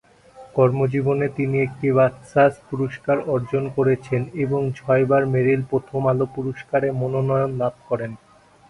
কর্মজীবনে তিনি একটি বাচসাস পুরস্কার অর্জন করেছেন এবং ছয়বার মেরিল-প্রথম আলো পুরস্কারে মনোনয়ন লাভ করেন।